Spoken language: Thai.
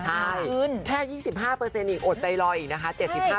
แค่๒๕อดใจรออีกนะคะ๗๕